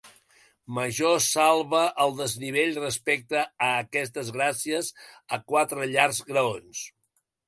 Major salva el desnivell respecte a aquesta gràcies a quatre llargs graons.